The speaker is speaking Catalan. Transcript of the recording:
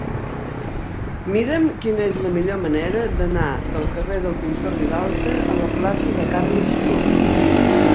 Mira'm quina és la millor manera d'anar del carrer del Pintor Ribalta a la plaça de Carme Simó.